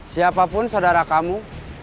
siapapun saudara kamu